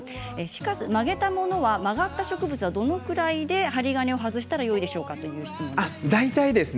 フィカス曲げたものは、曲がった植物はどのぐらいで針金を外したらよいでしょうか？という質問です。